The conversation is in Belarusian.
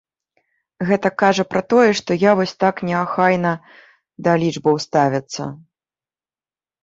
Гэта кажа пра тое, што я вось так неахайна да лічбаў ставяцца.